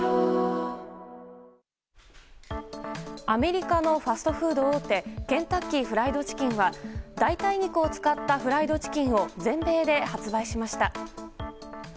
アメリカのファストフード大手ケンタッキー・フライド・チキンは代替肉を使ったフライドチキンを全米で発売しました。